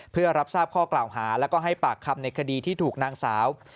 เพื่อรับทราบข้อกล่าวหาแล้วก็ให้ปากคำในคดีที่ถูกนางสาว